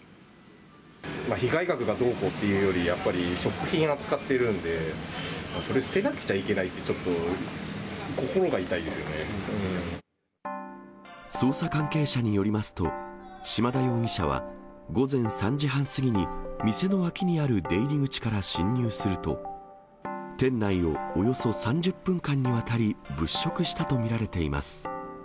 被害額がどうこうっていうより、やっぱり食品を扱っているんで、それ捨てなくちゃいけないって、捜査関係者によりますと、島田容疑者は、午前３時半過ぎに、店の脇にある出入り口から侵入すると、店内をおよそ３０分間にわたり物色したと見られています。